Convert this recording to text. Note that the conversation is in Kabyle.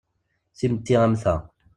Timetti am ta.